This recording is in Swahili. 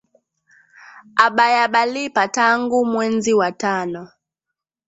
Abaya balipa tangu mwenzi wa tano